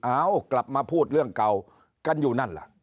กลับมาพูดเรื่องเก่ากันอยู่นั่นล่ะ